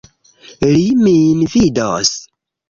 Li min vidos!